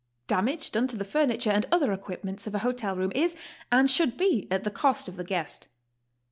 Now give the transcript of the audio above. Damage done to the furniture and other equipments of a hotel room is and should be at the cost of the guest.